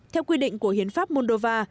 theo quy định của hiến pháp moldova